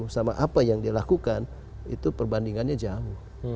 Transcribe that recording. sama apa yang dia lakukan itu perbandingannya jauh